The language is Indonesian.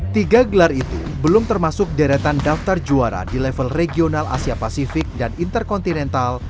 tiga gelar itu belum termasuk deretan daftar juara di level regional asia pasifik dan interkontinental